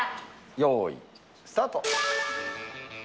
よーい、スタート。